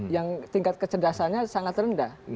yang tingkat kecerdasannya sangat rendah